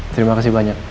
terima kasih banyak